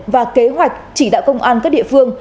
và kế hoạch chỉ đạo công an các địa phương